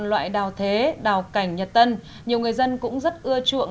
loại đào thế đào cảnh nhật tân nhiều người dân cũng rất ưa chuộng